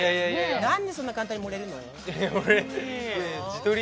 何でそんな簡単に盛れるの？